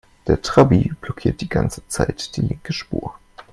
Der Trabi blockiert die ganze Zeit die linke Spur.